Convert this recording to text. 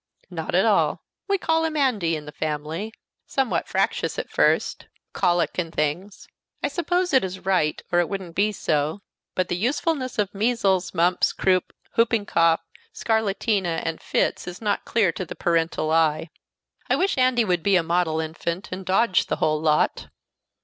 "Not at all. We call him Andy, in the family. Somewhat fractious at first colic and things. I suppose it is right, or it wouldn't be so; but the usefulness of measles, mumps, croup, whooping cough, scarlatina, and fits is not clear to the parental eye. I wish Andy would be a model infant, and dodge the whole lot."